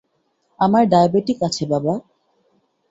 আমার ডায়বেটিক আছে বাবা।